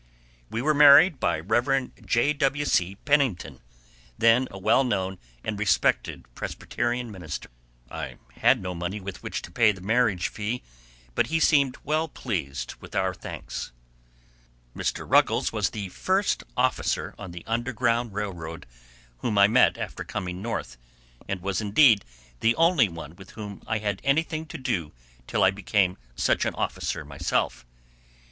We were married by Rev. J. W. C. Pennington, then a well known and respected Presbyterian minister. I had no money with which to pay the marriage fee, but he seemed well pleased with our thanks. Mr. Ruggles was the first officer on the "Underground Railroad" whom I met after coming North, and was, indeed, the only one with whom I had anything to do till I became such an officer myself.